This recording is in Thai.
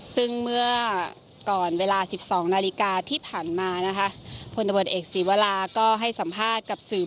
ซึ่งเมื่อก่อนเวลาสิบสองนาฬิกาที่ผ่านมานะคะพลตำรวจเอกศีวราก็ให้สัมภาษณ์กับสื่อ